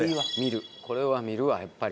これは見るわやっぱり。